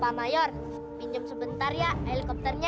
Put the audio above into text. pak mayor pinjam sebentar ya helikopternya